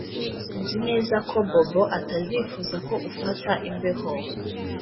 Nzi neza ko Bobo atazifuza ko ufata imbeho